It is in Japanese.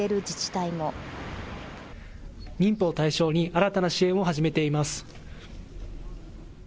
妊婦を対象に新たな支援を始めています。